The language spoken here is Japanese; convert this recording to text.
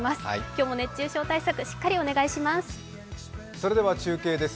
今日も熱中症対策、しっかりお願いします。